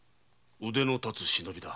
腕の立つ忍びだ。